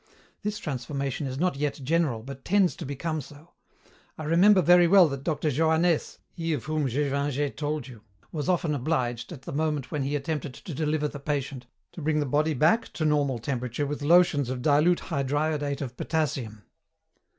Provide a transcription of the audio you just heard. This transformation is not yet general, but tends to become so. I remember very well that Dr. Johannès, he of whom Gévingey told you, was often obliged, at the moment when he attempted to deliver the patient, to bring the body back to normal temperature with lotions of dilute hydriodate of potassium."